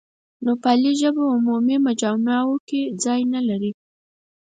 نوپالي ژبه عمومي مجامعو کې ځای نه لري.